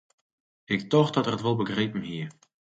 Ik tocht dat er it wol begrepen hie.